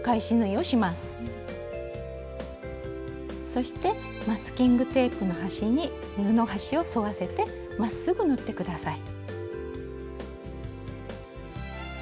そしてマスキングテープの端に布端を沿わせてまっすぐ縫って下さい。